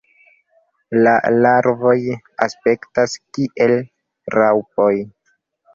La larvoj aspektas kiel raŭpoj.